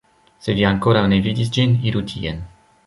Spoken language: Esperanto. Se vi ankoraŭ ne vidis ĝin, iru tien